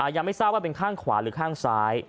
ยังไม่ทราบว่าเป็นข้างขวาหรือข้างซ้าย